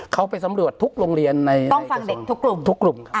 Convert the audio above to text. เขาไปสำรวจทุกโรงเรียนในก้องฟังเด็กค์ทุกกลุ่ม